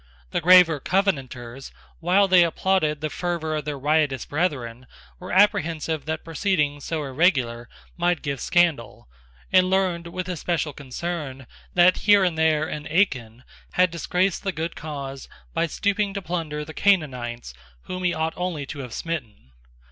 The graver Covenanters, while they applauded the fervour of their riotous brethren, were apprehensive that proceedings so irregular might give scandal, and learned, with especial concern, that here and there an Achan had disgraced the good cause by stooping to plunder the Canaanites whom he ought only to have smitten.